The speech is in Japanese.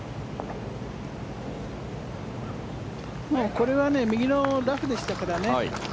これは右のラフでしたからね。